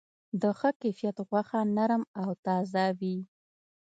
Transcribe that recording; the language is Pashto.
د ښه کیفیت غوښه نرم او تازه وي.